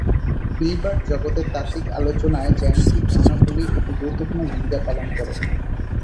Hilbert জগতের তাত্ত্বিক আলোচনায় জ্যামিতিক ধারণাগুলি একটি গুরুত্বপূর্ণ ভূমিকা পালন করে।